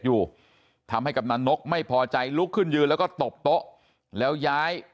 อยู่ทำให้กำนันนกไม่พอใจลุกขึ้นยืนแล้วก็ตบโต๊ะแล้วย้าย